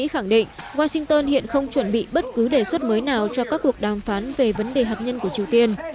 mỹ khẳng định washington hiện không chuẩn bị bất cứ đề xuất mới nào cho các cuộc đàm phán về vấn đề hạt nhân của triều tiên